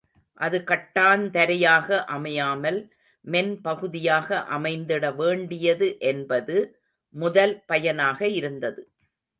அது கட்டாந்தரையாக அமையாமல், மென்பகுதியாக அமைந்திட வேண்டியது என்பது முதல் பயனாக இருந்தது.